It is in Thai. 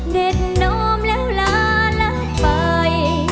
เด็ดน้อมแล้วลาลาไป